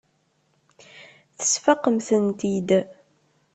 Tesfaqem-tent-id.